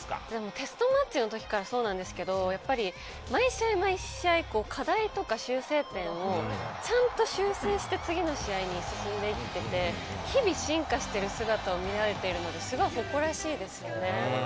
テストマッチのときから、そうなんですけれども、毎試合、課題とか修正点とか、ちゃんと修正して次の試合に進んでいて、日々進化してる姿を見られているので、すごく誇らしいですね。